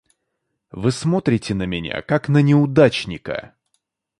Вы смотрите на меня как на неудачника!